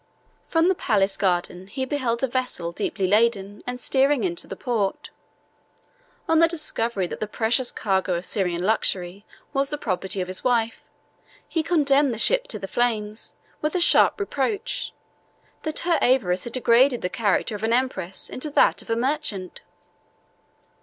From the palace garden he beheld a vessel deeply laden, and steering into the port: on the discovery that the precious cargo of Syrian luxury was the property of his wife, he condemned the ship to the flames, with a sharp reproach, that her avarice had degraded the character of an empress into that of a merchant.